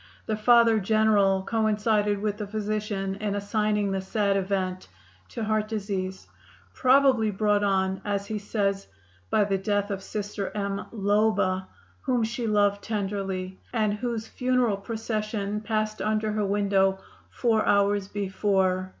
The Father General coincided with the physician in assigning the sad event to heart disease, probably brought on, as he says, "by the death of Sister M. Loba, whom she loved tenderly, and whose funeral procession passed under her window four hours before."